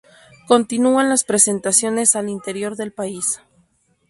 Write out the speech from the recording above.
Continúan las presentaciones al interior del país.